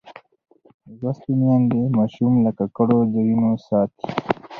لوستې میندې ماشوم له ککړو ځایونو ساتي.